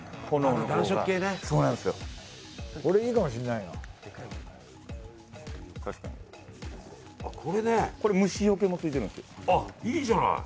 いいじゃない。